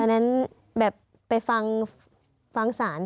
อันนั้นแบบไปฟังศาล